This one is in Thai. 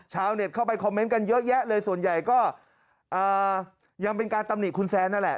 เน็ตเข้าไปคอมเมนต์กันเยอะแยะเลยส่วนใหญ่ก็ยังเป็นการตำหนิคุณแซนนั่นแหละ